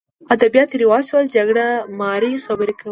ادبیات رواج شول جګړه مارۍ خبرې کولې